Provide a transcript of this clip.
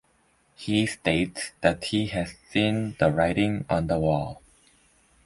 He states that he has seen "the writing on the wall".